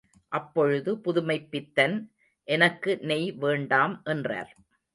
அப்பொழுது புதுமைப்பித்தன், எனக்கு நெய் வேண்டாம் என்றார்.